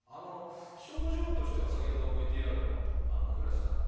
症状としては先ほどＶＴＲの古橋さん